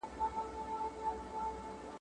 شپه که هر څومره اوږده سي عاقبت به سبا کېږي `